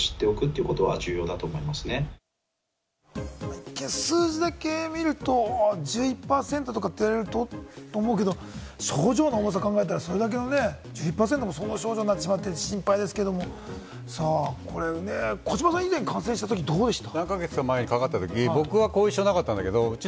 一見、数字だけ見ると１１％と思うけれども、症状の重さを考えたら、それだけのね、１１％、その症状になってしまうのは心配ですけれども、児嶋さん、以前、感染したとき、どうでした？